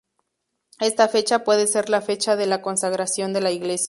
Esta fecha puede ser la fecha de la consagración de la iglesia.